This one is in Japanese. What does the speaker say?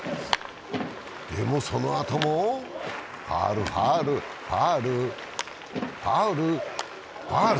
でもそのあとも、ファウル、ファウル、ファウル、ファウル。